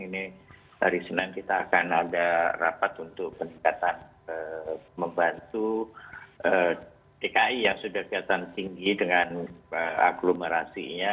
ini hari senin kita akan ada rapat untuk peningkatan membantu dki yang sudah kelihatan tinggi dengan aglomerasinya